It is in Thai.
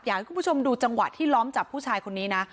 อยากให้คุณผู้ชมดูจังหวะที่ล้อมจับผู้ชายคนนี้นะ